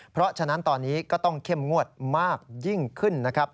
เพราะฉะนั้นตอนนี้ก็ต้องเข้มงวดมากยิ่งขึ้นนะครับ